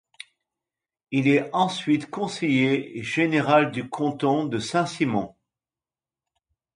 Il est ensuite conseiller général du canton de Saint-Simon.